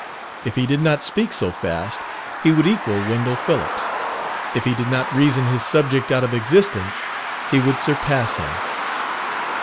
If he did not speak so fast, he would equal Wendell Phillips; if he did not reason his subject out of existence, he would surpass him.